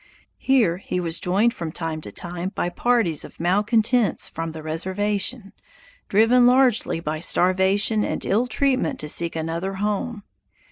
Here he was joined from time to time by parties of malcontents from the reservation, driven largely by starvation and ill treatment to seek another home.